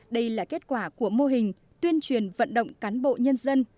đây là kết quả của mô hình tuyên truyền vận động cán bộ nhân dân